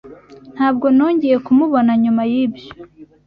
Ntabwo nongeye kumubona nyuma yibyo.